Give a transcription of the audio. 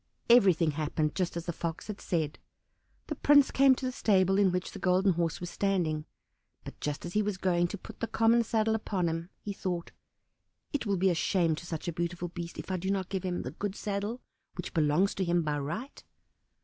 Everything happened just as the Fox had said; the prince came to the stable in which the Golden Horse was standing, but just as he was going to put the common saddle upon him, he thought, "It will be a shame to such a beautiful beast, if I do not give him the good saddle which belongs to him by right."